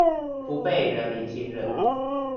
不被人民信任